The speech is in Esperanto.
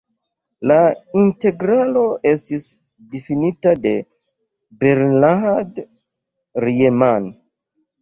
La integralo estis difinita de Bernhard Riemann.